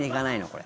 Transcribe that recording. これ。